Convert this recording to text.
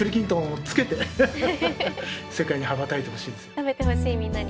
「食べてほしいみんなに」